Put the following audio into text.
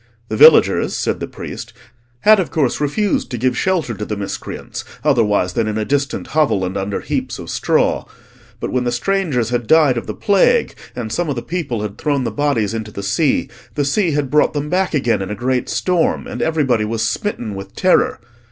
The villagers, said the priest, had of course refused to give shelter to the miscreants, otherwise than in a distant hovel, and under heaps of straw. But when the strangers had died of the plague, and some of the people had thrown the bodies into the sea, the sea had brought them back again in a great storm, and everybody was smitten with terror.